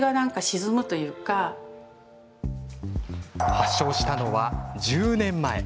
発症したのは１０年前。